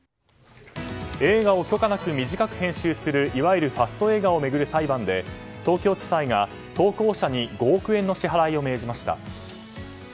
映画を許可なく短く編集するいわゆるファスト映画の裁判で東京地裁が投稿者に５億円の支払いを命じました。